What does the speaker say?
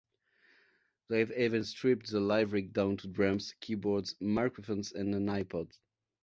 They've even stripped the live rig down to drums, keyboards, microphones and an iPod.